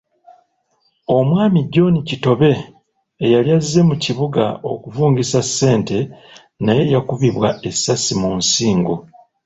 Omwami John Kittobbe eyali azze mu kibuga okuvungisa ssente naye yakubwa essasi mu nsigo.